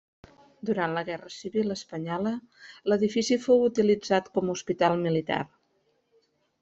Durant la Guerra Civil espanyola, l'edifici fou utilitzat com a hospital militar.